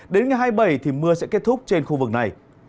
đến ngày hai mươi bảy thì mưa sẽ kết thúc trên khu vực này